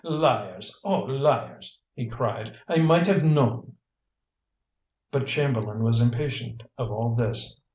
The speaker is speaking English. "Liars, all liars!" he cried. "I might have known!" But Chamberlain was impatient of all this.